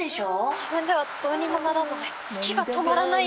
自分ではどうにもならない。